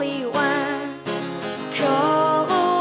ที่พอจับกีต้าร์ปุ๊บ